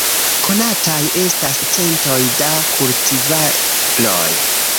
Konataj estas centoj da kultivaroj.